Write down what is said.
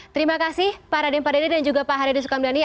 terima kasih pak raden padani dan juga pak haryadi sukamdhani